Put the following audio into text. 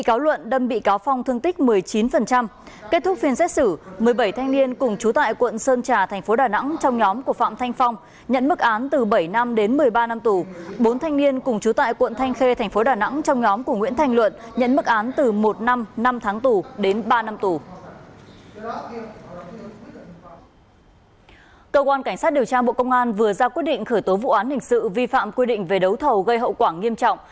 cơ quan cảnh sát điều tra bộ công an vừa ra quyết định khởi tố vụ án hình sự vi phạm quy định về đấu thầu gây hậu quả nghiêm trọng